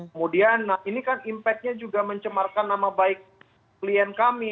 kemudian nah ini kan impactnya juga mencemarkan nama baik klien kami